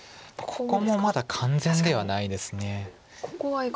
ここも完全ではないです。